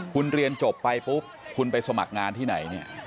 คุณเรียนจบไปปุ๊บคุณไปสมัครงานที่ไหนเนี่ย